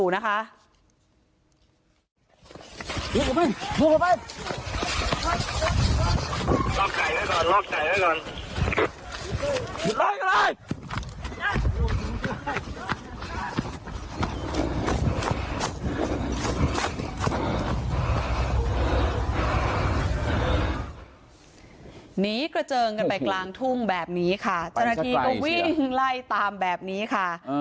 หนีกระเจิงกันไปกลางทุ่งแบบนี้ค่ะเจ้าหน้าที่ก็วิ่งไล่ตามแบบนี้ค่ะ